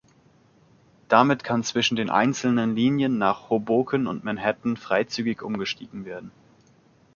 Damit kann zwischen den einzelnen Linien nach Hoboken und Manhattan freizügig umgestiegen werden.